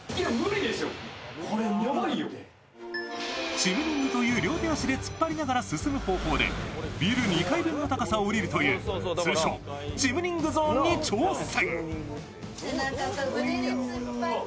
チムニングという両手両足で突っ張りながら進む方法でビル２階分の高さを降りるという通称・チムニングゾーンに挑戦。